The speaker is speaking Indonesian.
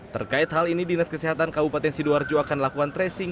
terkait hal ini dinas kesehatan kabupaten sidoarjo akan melakukan tracing